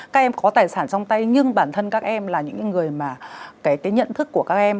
các em có tài sản trong tay nhưng bản thân các em là những người mà cái nhận thức của các em